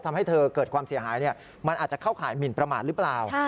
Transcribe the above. ทำให้เธอเกิดความเสียหายมันอาจจะเข้าข่ายหมินประมาทหรือเปล่า